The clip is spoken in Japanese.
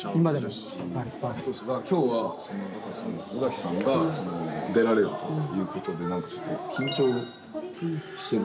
だから今日は尾崎さんが出られるという事でなんかちょっと緊張してる。